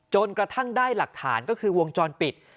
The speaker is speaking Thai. จนกระทั่งได้หลักฐานก็คือวงจรปิด